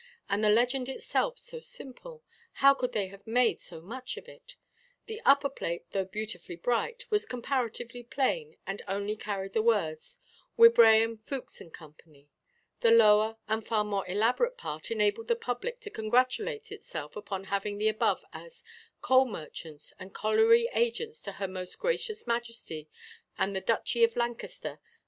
And the legend itself so simple, how could they have made so much of it? The upper plate, though beautifully bright, was comparatively plain, and only carried the words, "Wibraham, Fookes, and Co.;" the lower and far more elaborate part enabled the public to congratulate itself upon having the above as "Coal Merchants and Colliery Agents to Her Most Gracious Majesty and the Duchy of Lancaster.